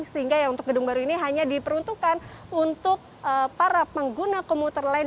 sehingga ya untuk gedung baru ini hanya diperuntukkan untuk para pengguna komuter lain